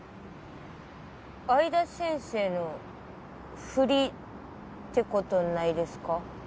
相田先生の振りって事ないですか？